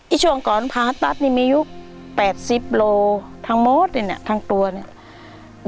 อีช่วงก่อนพาฮัตตัสนี่มียุคแปดสิบโลทั้งหมดเนี้ยทั้งตัวเนี้ย